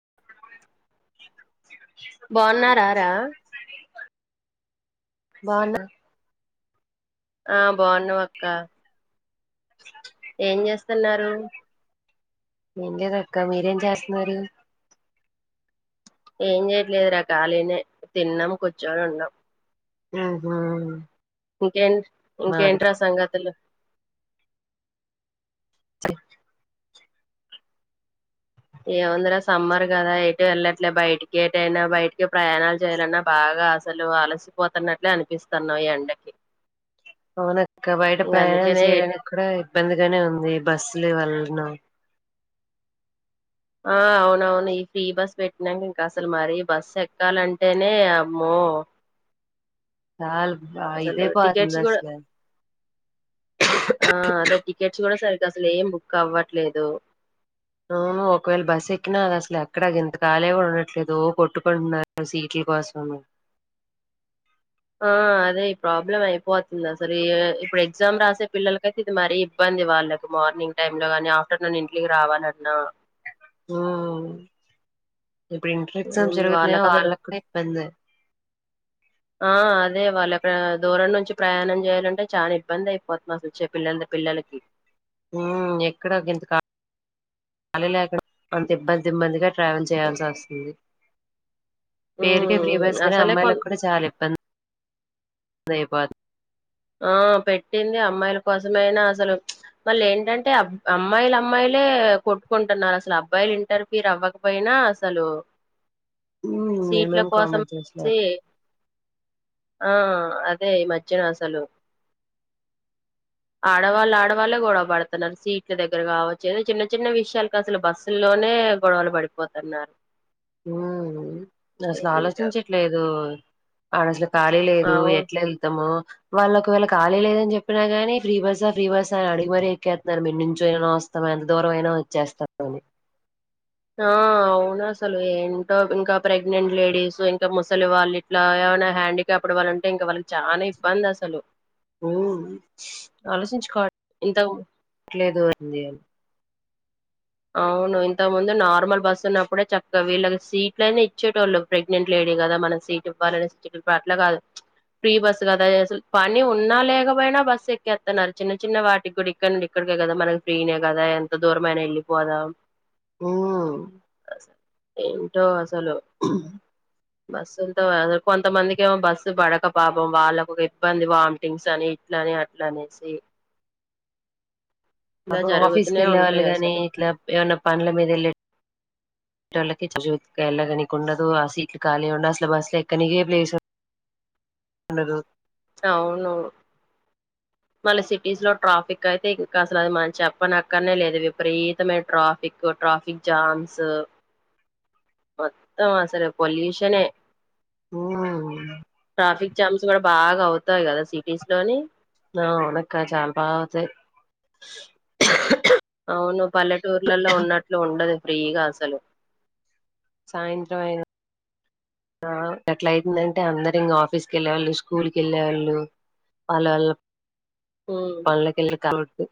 [inaudible] బాగున్నారారా బానా ఆ బాగున్నా అక్క ఏం చేస్తున్నారు మీంట దొక్క మీరేం చేస్తున్నారురి ఏం చేయట్లేదు రకళీని తిన్నాం కూర్చోొని ఉన్నాం ఉంహు ఇంకె ఇంకెంట్రా సఘతల జ ఏముందిరా సమ్మర్ కదా ఎటు వెళ్ళట్లే బయటికి ఏటైనా బయటికి ప్రయాణాలు చేయాలన్నా బాగా అసలు అలసిపోతున్నట్లే అనిపిస్తున్నా ఈ ఎండకి అవునక్క బయట ఇంక ప్రయాణాలు అందుకనే చేయడానికి కూడా ఇబ్బందిగానే ఉంది బస్సులు వల్ల చిన్న ఆ అవునవును ఈ ఫ్రీ బస్ పెట్టినాక ఇంకా అసలు మరి బస్ ఎక్కాలంటేనే అమ్మో ఆ చాలు టికెట్ కూడా అదే టిెట్స్ కూడా సరికి అసలు ఏం బుక్ అవ్వట్లేదు నును ఒకవేళ బస్సు ఎక్కిన అది అసలు ఎక్కడ ఇంతకాలే కూడా ఉండట్లేదు కొట్టుకుంటున్నారు సీట్లు కుస్వామి [inaudible] ఆ అదే ప్రాబ్లం అయిపోతుంది అసలు ఇప్పుడు ఎగ్జామ్ రాసే పిల్లలకైతే ఇది మరీ ఇబ్బంది వాళ్ళకి మార్నింగ్ టై లో కాని ఆఫ్టర్నూన్ ఇంంటికి రావాలన్నా ఉమా ఇప్పుడు ఇంటర్ ఎక్సా ఉమ్, జరుగుతున్నాయో వాళ్ళకి వాళ్ళ అసలు కూడా ఇంది [inaudible] ఆ అదే వాళ్ళ దూరం నుంచి ప్రయాణం చేయాలంటే చాలా ఇబ్బంది అయిపోతది అసలు వచ్చే పిల్లల కి నకి మ్మ్ ఎక్కడ గింత కాళీ లేక అంత ఇబ్బంది ఇబ్బందిగా ట్రావెల్ చేయాల్సి వస్తుంది పేరుకే ఉమ్, ఫ్రీవర్స్ నే అసలే కొ అమ్మాయిలకు కూడా చాలా ఇబ్బంది రేపు అది ఆ పెట్టింది అమ్మాయిల కోసమైనా అసలు మళ్ళ ఏంటంటే అమ్మాయిలు అమ్మాయిలు లే కొట్టుకుంటున్నారు అసలు అబ్బాయిలు ఇంటర్ఫ్యూర్ అవ్వకపోయినా అసలు మ్మ్ సీట్ల ఏమేం కోసం కామెంట్ వచ్చే చేసినారు ఆ అదే ఈ మధ్య అసలు ఆడవాళ్ళు ఆడవాళ్లే గొవవ పడుతున్నారు సీట్ల దగ్గర కావచ్చు ఇగ చిన్న చిన్న విషయాలకు అసలు బస్సుల్లోనే ఇట్టే గొడవలు పడిపోతున్నారు మ్మ్ అసలు ఏంటో ఆలోచించట్లేదు ఖాళీ లేదు అవు ఎట్లా వెళ్తామో వాళ్ళు ఒకవేళ ఖాలి లేదని చెప్పినాగాని ఫ్రీ బస్స ఫ్రీ బస్స అని అడిగి మరీ ఎక్కేస్తున్నారు మేము నుంచొని అయినా వస్తాం ఎంత దూరం అయినా వచ్చేస్తారు ఆ అవును అసలు ఏంటో ఇంకా ప్రెగ్నెంట్ లేడీస్ ఇంకా ముసలి వాళ్ళు ఇట్లా ఎవరైనా హ్యాండ్ కాప్డ్ వాళ్ళుంటే ఇంకా వాళ్ళకి చాలా ఇబ్బంది అసలు మ్మ్ ఆలోచించుకోవాలి ఇంత కావట్లేదు అని చెప్పి అవును ఇంతకు ముందు నార్మల్ బస్సు ఉన్నప్పుడే చక్కగా వీళ్ళకి సీట్లయినా ఇచ్చేటోళ్లు ప్రెగ్నెంట్ లేడీస్ కి మనం సీట్ ఇవ్వాలనే అట్లా కాదు ప్చ్ ప్రీ బస్సు కదా అసలు పని ఉన్నా లేకపోయినా బస్ ఎక్కేస్తున్నారు చిన్న చిన్న వాటికి కూడా ఇక్కడ నుండి ఇక్కడికే కదా మనకి ఫ్రీనే కదా ఎంత దూరం అయినా వెళ్ళిపోదామ్ హ్హ్ ఏంటో అసలు బస్సులతో కొంతమందికి ఏమో బస్సు పడక పాపం వాళ్ళకి ఇబ్బంది వామిటింగ్స్ అని ఇట్లా ఇగ అట్లా అనేసి ఇలా అబ్బో ఆఫీస్కి జరుగుతూనే వెళ్ళే వాళ్ళు ఉంటాయి గాని అసలు ఇట్లా ఏమన్నా పనుల మీద వెళ్ళే టోళ్ళకి సర్దుకోడానికి వెళ్ళనీకు వీలు ఉండదు ఆ సీట్లు ఖాళీ ఉండదు అసలు బస్సు ఎక్కనికి ప్లేసు ఉండదు ఉండదు అవును మళ్ళ సిటీస్ లో ట్రాఫిక్ అయితే ఇంకా అసలు అది మనం చెప్పనక్కరనే లేదు విపరీతమైన ట్రాఫిక్ ట్రాఫిక్ జామ్స్ మొత్తం అసలు పొల్యూషనే మ్మ్ ట్రాఫిక్ జామ్స్ కూడా బాగావుతుంది ఆ నాకు చాలా బాగా జలుబు చేసింది అవును పల్లెటూర్లలో ఉన్నట్లు ఉండదు ఫ్రీగా అసలు సాయంత్రం అయితే ఆ అట్లా అయితుందంటే అందరు ఇంగ ఆఫీస్ కు వెళ్ళేవాళ్ళు స్కూల్ కి వెళ్ళేవాళ్ళు పాలొల్లు ఉమ్, పళ్ళకిలో వద్దు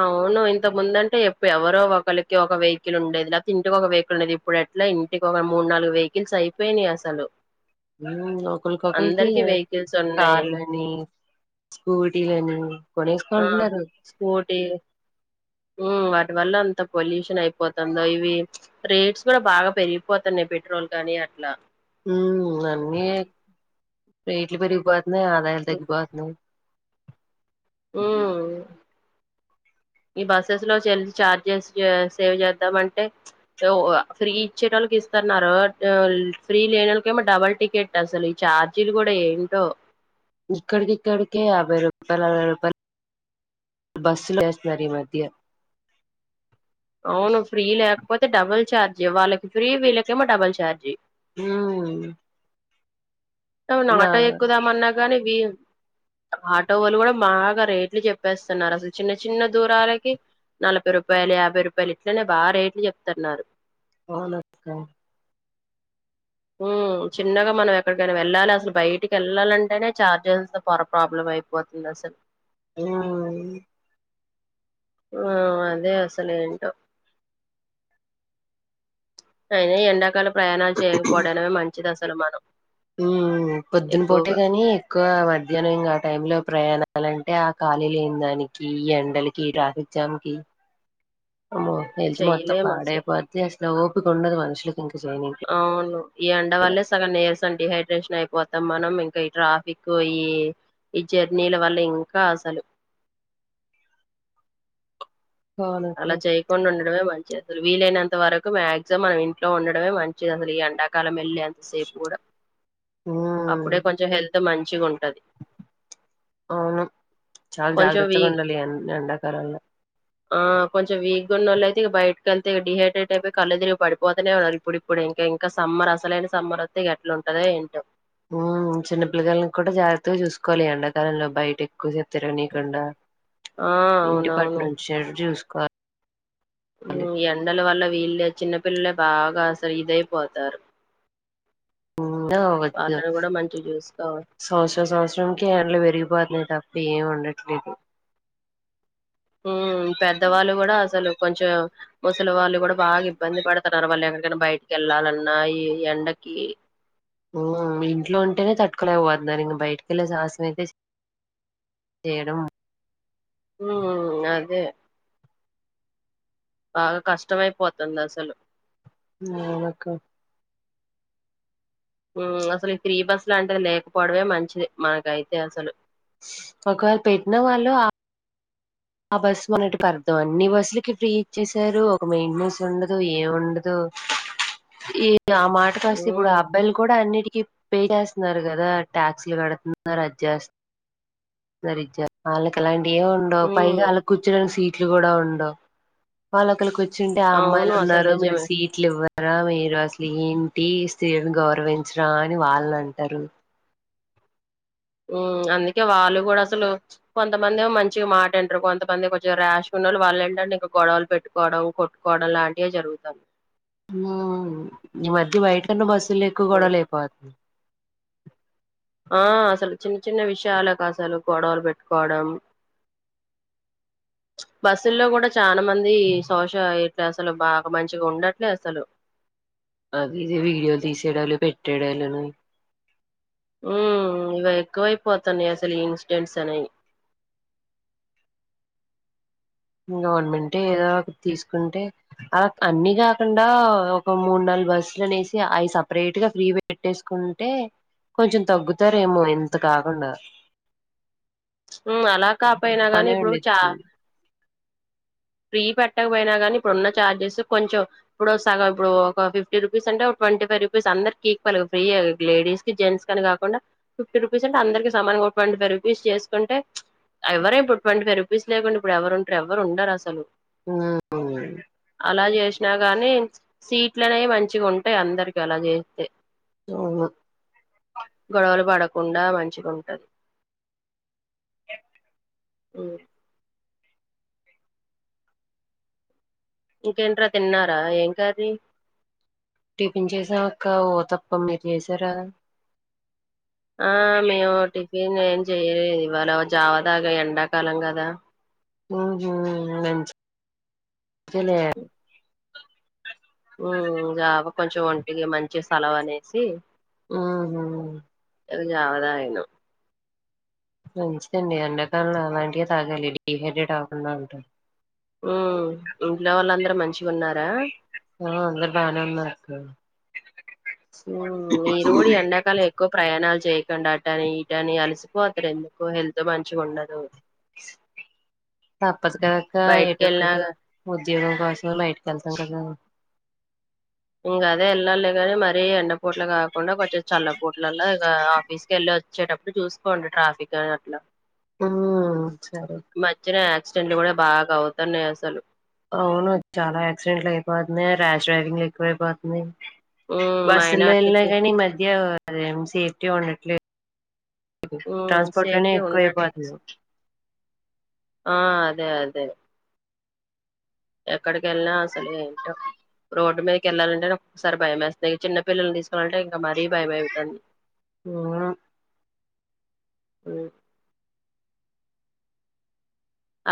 అవును ఇంత ముందంటే ఎవరో ఒకరికి ఒక వెహికకిల్ ఉండేది లేకపోతే ఇంటికి ఒక సైకిల్ ఉండేది ఇప్పుడు ఇట్లా ఇంటికి ఒక మూడు నాలుగు వెహికల్స్ అయిపోయినాయి అసలు ఒకరికొకరికి అందరికి వెహికల్స్ ఉన్నాయి కార్లని స్కూటీలని ఆ కొనేసుకుంటున్నారు మ్మ్ వాటి వల్ల అంత పొల్యూషన్ అయిపోతంది ఇవి రేట్స్ కూడా బాగా పెరిగిపోతున్నాయి పెట్రోల్ కు కానీ అట్లా అన్ని ఇగ రేట్లు పెరిగి పోతున్నాయి అదయితే ఎక్కువ అండి ఉ ఈ బస్సెస్ లో చా ఛార్జెస్ సేవ్ చేద్దాం అంటే ఫ్రీ ఇచ్చేటోళ్ళకి ఇ స్తున్నారు ఫ్రీ లేన వాళ్క ఏమో డబల్ టికెట్ అసలు ఈ ఛార్జీలు కూడా ఏంటో ఇక్కడికి ఇక్కడికి యాభై రూపాయలు అరవై రూపాయలు బస్సు లో చేస్తున్నారు ఈ మధ్య అవును ఫ్రీ లేకపోతే డబుల్ ఛార్జ్ వాళ్ళకి ఫ్రీ వీళ్ళకేమో డబుల్ ఛార్జ్ ఆ అవును ఆటో ఎక్కుదామన్నా గాని వి ఆటో వాళ్ళు కూడా బాగా రేట్లు చెప్పేస్తున్నారు అసలు చిన్న చిన్న దూరాలకి నలభై రూపాయలు యాభై రూపాయలు ఇట్లనే బాగా రేట్లు చెప్తున్నారు అవును అక్క ఉ చిన్నగా మనం ఎక్కడికైనా వెళ్ళాలి అసలు బయటికి వెళ్ళాలంటేనే చార్జెస్ పొర ప్రాబ్లం అయిపోతుంది అసలు ఆ ఆ అదే అసలు ఏంటో అయినా ఎండాకాల ప్రయాణాలు చేయకపోవడమే మంచిది అసలు మనం పొద్దున పోటే ఎక్కువగా కాని ఎక్కువ మధ్యాహ్నం ఇం ఆ టైం లో ప్రయాణాలంటే ఆ ఖాళీ లేనీ దానికి ఈ ఎండలకి ట్రాఫిక్ జామ్ కి అమ్మో హెల్త్ మొత్తం చెయ్యలేం అసలు పాడేపోద్ది అసలు ఓపిక ఉండదు మనుషులకి ఇంక చేయనికి అవును ఈ ఎండ వాళ్లే సగం నీర్స్ అస డిహైడ్రేషన్ అయిపోతాం మనం ఇంకా ఈ ట్రాఫిక్ ఈ ఈ జర్నీల వల్ల ఇంకా అసలు అవునక్క అలా చేయకుండా ఉండడమే మ అసలు వీలైనంత వరకు మాక్సిమం మనం ఇంట్లో ఉండడమే మంచిది అసలు ఈ ఎండాకాలం వెళ్ళి సేఫు కూడా ఉమ్ అప్పుడే కొంచెం హెల్త్ మంచిగా ఉంటది అవును చాలా కొంచెం వీ జాగ్రత్తగా ఉండాలి అన్ని ఎండాకాలంలో ఆ కొంచం వీక్గా ఉన్నోళ్ళయితే బయటకి వెళ్తే డిహైడ్రేట్ అయి కళ్ళు తిరిగి పడిపోతానే ఉ ఇప్పు ఇప్పుడు ఇంకా ఇంకా సమ్మర్ అసలైన సమ్మర్ వత్తే ఎట్లుంటదో ఏంటో ఉ చిన్న పిల్లగాలను కూడా జాగ్రత్తగా చూసుకోవాలి ఎండాకాలంలో బయటి ఎక్కువ చెప్తారునీకుండా ఆ ఇంటి పటి అవునవును నుంచి చూసు ఎండల వల్ల వీళ్ళే చిన్నపిల్లలే బాగా అసలు ఇదైపోతారు హ్మ్. వాళ్ళని కూడా మంచిగా చూసుకోవాలి సంవత్సరం సంవత్సరంకి ఎండ్లు పెరిగిపోతున్నాయి ఇఏం ఉండట్లేదు ఉ పెద్దవాళ్ళు కూడా అసలు కొంచెం ముసలి వాళ్ళు కూడా బాగా ఇబ్బంది పడుతున్నారు వాళ్ళు ఎకడన్న బయటకి వెళ్ళాలన్న ఈ ఎండకి ఇంట్లో ఉంటేనే తట్టుకోలేక పోతున్నారు ఇంక బయటకెళ్ళే సాహసన అయితే చేడం ఉ అదే బాగా కష్టమయిపోతుంది అసలు అవును అక్క అసలు ఈ ఫ్రీ బస్ లాంటిది లేకపోవడమే మంచిది మనకైతే అసలు ఒకవేళ పెట్టిన వాళ్ళు ఆ బస్సు మొనటి పడదాం అన్ని బస్సులకి ఫ్రీ ఇచ్చసారు ఒక మెయింటెనెన్స్ ఉండదు ఏం ఉండదు ఈ ఆ మాటకు వస్తే ఇప్పుడు ఉమ్ అబ్బాయిలు కూడా అన్నిటి పే చేస్తున్నారు కదా టాక్స్లు కడుతున్నారు అది చేస్ సరి చేత్త ఆళ్ళకి అలాంటివి ఏం ఉండవు ఉమ్ పైగా వాళ్ళ కూర్చుని సీట్ కూడా ఉండవు వాళ్ళ ఒకరికి వచ్చింటే ఆ అవును అమ్మాయిలు అసలు ఉన్నారు మీరు నిజమే సీట్లు ఇవ్వరు రా మీరు అసలు ఏంటి స్త్రీని గౌరవించరా అని వాళ్ళు అంటారు అందుకే వాళ్ళు కూడా అసలు కొంతమంది మంచి మాట వింటారు కొంతమంది కొంచం రాష్ గా లు వాళ్ళ ఏంటంటే ఇక గొడవలు పెట్టుకోవడం కొట్టుకోవడం లాంటివి జరుగుతుంది ఈ మధ్య బయటన్న బస్సులు ఎక్కువ కూడా లేకపోతుంది ఆ అసలు చిన్న చిన్న విషయాలకు అసలు గొడవలు పెట్టుకోవడం [inaudible] బస్సుల్లో కూడా చాలా మంది శోష అయ్యట్లే అసలు బాగా మంచిగా ఉండట్లే అసలు అద ఇది వీడియోలు తీసేడాళ్ళు పెట్టేడళ్ళును ఉ ఇవి ఎక్కువైపోతాంది అసలు ఈ ఇన్సిడెంట్స్ అని [unintelligible] [inaudible] గవర్నమెంట్ ఏదో ఒక తీసుకుంటే అలా అన్ని కాకుండా ఒక మూడు నెల బస్సులు అనేసి అవి సపరేట్ గా ఫ్రీ పెట్టేసుకుంటే కొంచెం తగ్గుతారేమో ఎంత కాకుండా [inaudible] అలా కాపోయినా గానీ బానే ఇప్పుడు చ ఉండిద్ది ఫ్రీ పెట్టకపోయినా కానీ ఇప్పుడు ఉన్న చఛార్జెస్ కొంచెం ఇప్పుడు సగం ఇప్పుడు ఒక ఫిఫ్టీ రూపీస్ అంటేప్పు ట్వంటీై్ రూపీస్ అందరి కక్ి ఫ్రీ లేడస్ి జెంస్నీ కాకుండా ఫిఫటీ రూపీస్ అంట అందరిమా ట్ంటీ ఫైవ్ రూపీస్ చేసుకుంట ఎవర ఇప్పుడు ట్వంటీై్ రూపీస్ లేకుండా ఇప్పుడు ఎవరు ఉంటారు ఎవరు ఉరు అసలు ఆ కాని సీట్లనేవి మంచిగా ఉంటాయి అందరికి అలా చేస్తే అవును. గడ వాలు బడకు కుండా మంచిగాంటుంది [inaudible] ఈ [unintelligible] ఇంకేంట్రా తిన్నారా ఏం కాది టిఫన్ చేసా ఒక్క ఓ తప్ప మీరు చేసారా ఆ మేము టిఫిన్ ఏం చెయలే ఇవాళ జావ తాగా ఎండాకాలం కదా ఉంహు మంచిపనిలా ఉ జబ కొంచెం ఒంటికి మంచి సెలవు అనేసి ఆ జవాతగినం మంచిదండి ఎండగానులు అలాంటివిే తాగాలి డీహెడెడ్ కాకుండా అంటారు ఉ ఇంట్లో వాళ్ళందరూ మంచిగా ఉన్నారా ఆ అందరి బాగాన్నాకు ఈరుోడు ఎండాకలు ఎక్కువ ప్రయాణాలు చేయకుండా అట అని ఈట అని అలిసిపో అతడు ఎందుకో హెల్త్ మంచి ఉండదు తప్పదు కదక బయటికి ఎటుొక్కటి వెళ్ళినాగా ఉద్యోగం కోసం బయటక వెళ్తాం కదా ఇంకాదే వెళ్ళాలి కాని మరిీ ఎండ పూట్లు కాకుండా కొంచెం చల్ల పూట్లల్లో ఇ ఆఫీస్ క వెళ్ళలి వచ్చేటప్పు అడు చూసుకోండి ట్రాఫిక్ అని అట్లా ఆ సరే ఎక్డెంట్లు కూడా బాగా అవుతన్నాయి అసలు అవును చాలా యాక్సిడెంట్లు అయిపోతున్నాయి యాష్ డ్రైవింగ్ ఎక్కువైపోతున్నాయి ఉమ్ మా ఆయన బస్సుల్లో వెళ్ళినా అట్లిద్ది కానీ మధ్య అదేం సేఫ్టీ ఉండట్లేదు ఉమ్ ట్రాన్స్పోర్ట్ లోనే సేఫ్టీ ఎక్కువ ఉండట్లే ఇపోతుదు ఆ అదే అదే ఎక్కడికి వెళ్ళినా అసలు ఏంటో రోడ్ మీదకి వెళ్లాలంటేక్కసారి భయమ వేస్తుందిక చిన్న పిల్లల్ని తీసుకోవాలంటే ఇంకా మరీ భయం అవుతుంది ఆ [inaudible]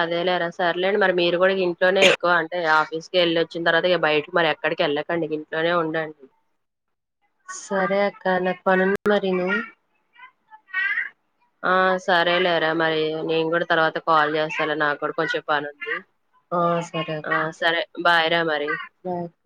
అదేలేరా సరేండి మరి మీరు కూడా ఇంట్లోనే ఎక్కువ అంటే ఆఫీస్కి వెళ్ళి వచ్చిన తర్వాత ఇక బయటకి మరి ఎక్క అక్కడికి వెళ్ళకండి ఇంట్లోనే ఉండండి సరే అక్క నాకు పనును మార ను ఆ సరేలేరా మరి నేను కూడా తర్వాత కాల్ చేస్తానుా నాకు కూడా కొంచెం పని ఉంది ఆ సరే ఆ అక్క సరే భారా మరి బాయ్ అక్క